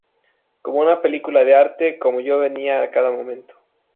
Como una película de arte… como yo veía cada momento.